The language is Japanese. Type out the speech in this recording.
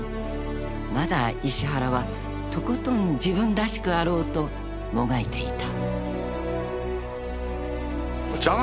［まだ石原はとことん自分らしくあろうともがいていた］